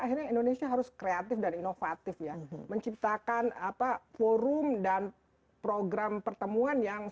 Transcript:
akhirnya indonesia harus kreatif dan inovatif ya menciptakan apa forum dan program pertemuan yang